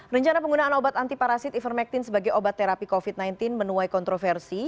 rencana penggunaan obat antiparasit ivermectin sebagai obat terapi covid sembilan belas menuai kontroversi